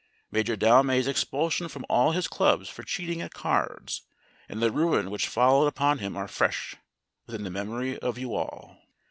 Major Delmay 's expulsion from all his clubs for cheating at cards and the ruin which followed upon him are fresh within the memory of you all.